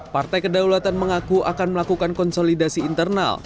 partai kedaulatan mengaku akan melakukan konsolidasi internal